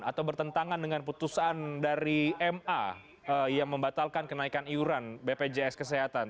atau bertentangan dengan putusan dari ma yang membatalkan kenaikan iuran bpjs kesehatan